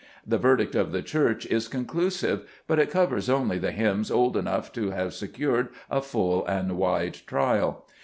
The verdict of the Church is conclusive, but it covers only the hymns old enough to have secured a full and wide trial.